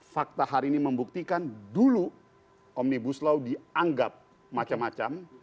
fakta hari ini membuktikan dulu omnibus law dianggap macam macam